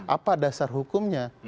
apa dasar hukumnya